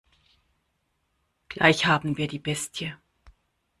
Gleich haben wir die Bestie.